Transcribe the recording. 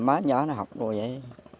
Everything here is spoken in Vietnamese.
má nhớ là học rồi vậy